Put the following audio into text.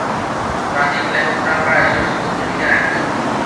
প্রাচীন লেখকরা প্রায়শই এসব তথ্য লিখে রাখতেন।